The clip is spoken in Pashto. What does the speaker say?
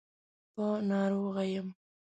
په ناروغه يم.